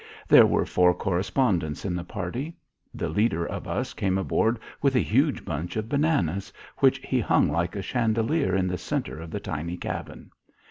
There were four correspondents in the party. The leader of us came aboard with a huge bunch of bananas, which he hung like a chandelier in the centre of the tiny cabin.